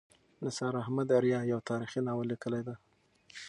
نثار احمد آریا یو تاریخي ناول لیکلی دی.